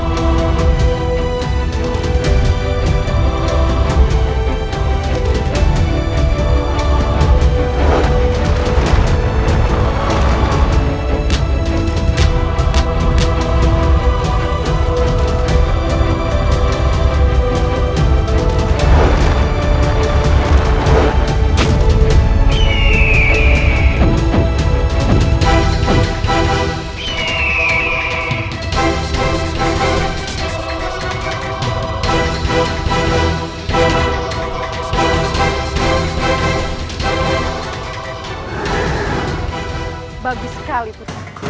bagus sekali putriku